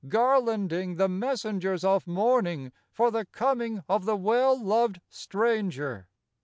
Garlanding the messengers of morning For the coming of the well loved stranger.